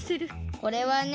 これはね